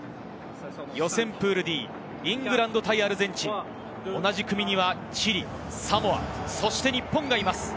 予選プールＤ、イングランド対アルゼンチン、同じ組にはチリ、サモア、そして日本がいます。